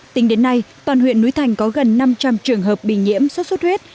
tính đến nay toàn huyện núi thành có gần năm trăm linh trường hợp bị nhiễm xuất xuất huyết